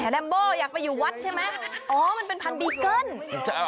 แรมโบอยากไปอยู่วัดใช่ไหมอ๋อมันเป็นพันบีเกิ้ล